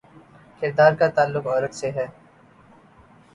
کردار کا تعلق عورت سے ہے۔